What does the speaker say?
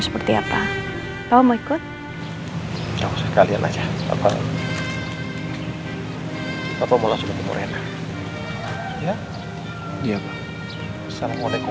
apa apa mau ikut jauh sekalian aja apa apa mau langsung ke morena ya iya